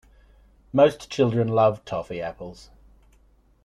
Most children love toffee apples